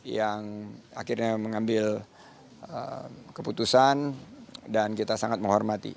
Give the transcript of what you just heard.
yang akhirnya mengambil keputusan dan kita sangat menghormati